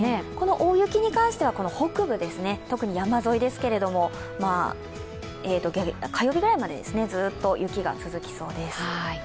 大雪に関しては北部、特に山沿いですけれども火曜日ぐらいまでずっと雪が続きそうです。